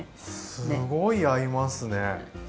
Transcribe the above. すごい合いますね。